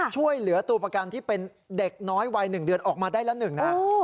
ช่วยเหลือตัวประกันที่เป็นเด็กน้อยวัย๑เดือนออกมาได้ละหนึ่งนะ